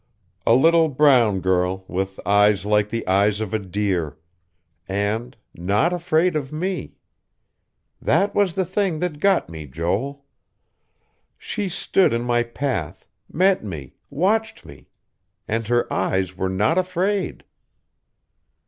A little brown girl, with eyes like the eyes of a deer. And not afraid of me. That was the thing that got me, Joel. She stood in my path, met me, watched me; and her eyes were not afraid....